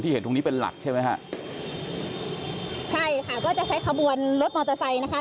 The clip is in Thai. เห็นตรงนี้เป็นหลักใช่ไหมฮะใช่ค่ะก็จะใช้ขบวนรถมอเตอร์ไซค์นะคะ